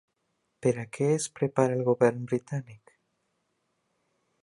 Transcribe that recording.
Per a què es prepara el govern britànic?